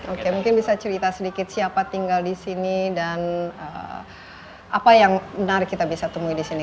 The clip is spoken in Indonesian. oke mungkin bisa cerita sedikit siapa tinggal di sini dan apa yang benar kita bisa temui di sini